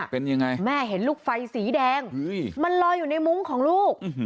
เป็นยังไงแม่เห็นลูกไฟสีแดงมันลอยอยู่ในมุ้งของลูก